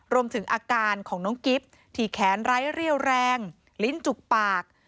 รวมถึงอาการของน้องกิฟต์ที่แขนไร้เรี่ยวแรงลิ้นจุกปาก